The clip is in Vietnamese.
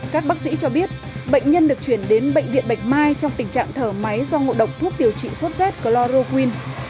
các bác sĩ cho biết bệnh nhân được chuyển đến bệnh viện bạch mai trong tình trạng thở máy do ngộ độc thuốc điều trị sốt z chloroquine